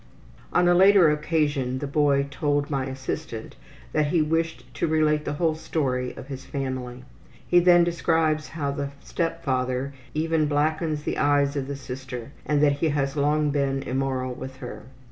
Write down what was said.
On a later occasion the boy told my assistant that he wished to relate the whole story of his family. He then describes how the step father even blackens the eyes of the sister and that he has long been immoral with her.